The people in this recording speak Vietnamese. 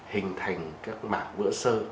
hình thành các mảng vữa sơ